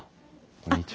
こんにちは。